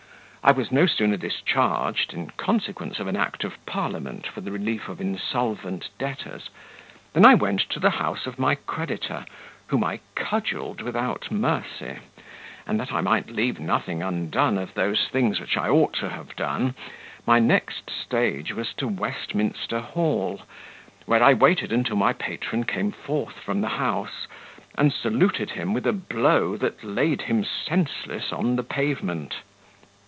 "I was no sooner discharged, in consequence of an act of parliament for the relief of insolvent debtors, than I went to the house of my creditor, whom I cudgelled without mercy; and, that I might leave nothing undone of those things which I ought to have done, my next stage was to Westminster Hall, where I waited until my patron came forth from the house, and saluted him with a blow that laid him senseless on the pavement.